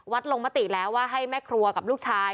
ลงมติแล้วว่าให้แม่ครัวกับลูกชาย